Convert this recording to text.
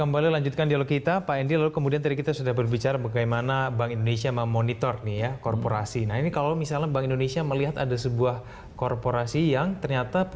bolt empat g powerfold bikin dunia internetmu semakin tanpa batas